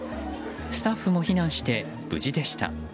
スタッフも避難して無事でした。